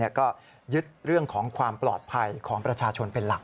ก็ยึดเรื่องของความปลอดภัยของประชาชนเป็นหลัก